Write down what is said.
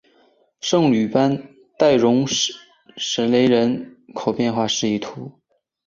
圣吕班代容什雷人口变化图示